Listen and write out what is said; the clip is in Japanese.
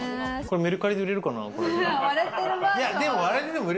メルカリで売れるかな？